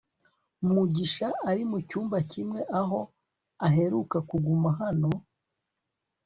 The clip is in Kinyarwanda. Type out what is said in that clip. mugisha ari mucyumba kimwe aho aheruka kuguma hano